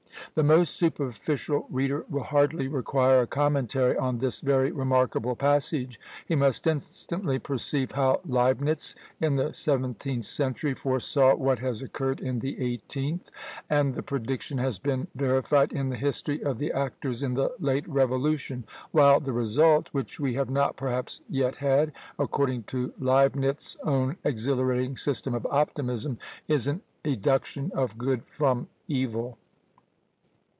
The most superficial reader will hardly require a commentary on this very remarkable passage; he must instantly perceive how Leibnitz, in the seventeenth century, foresaw what has occurred in the eighteenth; and the prediction has been verified in the history of the actors in the late revolution, while the result, which we have not perhaps yet had, according to Leibnitz's own exhilarating system of optimism, is an eduction of good from evil.